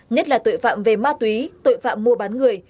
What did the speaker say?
nhất là tội phạm về ma túy tội phạm mua bán người